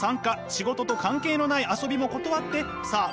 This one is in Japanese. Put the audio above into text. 仕事と関係のない遊びも断ってさあ